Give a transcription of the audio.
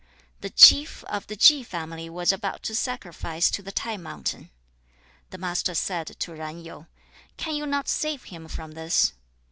The chief of the Chi family was about to sacrifice to the T'ai mountain. The Master said to Zan Yu, 'Can you not save him from this?'